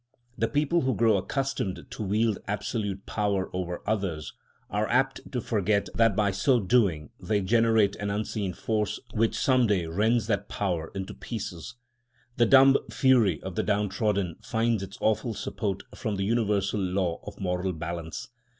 The people who grow accustomed to wield absolute power over others are apt to forget that by so doing they generate an unseen force which some day rends that power into pieces. The dumb fury of the downtrodden finds its awful support from the universal law of moral balance.